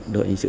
đội hình sự